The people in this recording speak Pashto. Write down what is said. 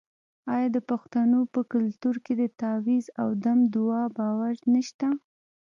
آیا د پښتنو په کلتور کې د تعویذ او دم دعا باور نشته؟